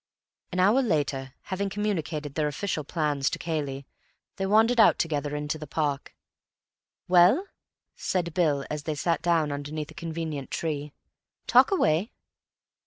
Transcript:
An hour later, having communicated their official plans to Cayley, they wandered out together into the park. "Well?" said Bill, as they sat down underneath a convenient tree. "Talk away."